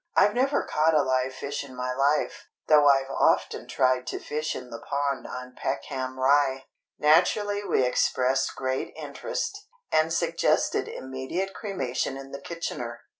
I've never caught a live fish in my life, though I've often tried to fish in the pond on Peckham Rye." Naturally we expressed great interest, and suggested immediate cremation in the kitchener.